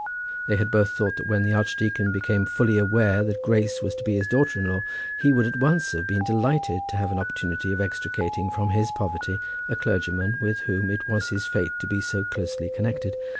They had both thought that when the archdeacon became fully aware that Grace was to be his daughter in law, he would at once have been delighted to have an opportunity of extricating from his poverty a clergyman with whom it was his fate to be so closely connected.